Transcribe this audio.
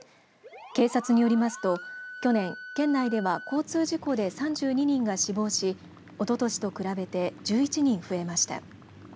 警察によりますと去年県内では交通事故で３２人が死亡しおととしと比べて１１人増えました。